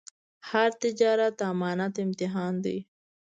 هر تجارت د امانت امتحان دی.